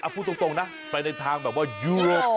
พูดตรงนะไปในทางแบบว่ายวก